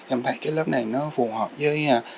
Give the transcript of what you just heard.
em thấy cái lớp này nó phù hợp với